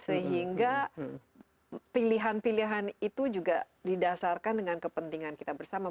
sehingga pilihan pilihan itu juga didasarkan dengan kepentingan kita bersama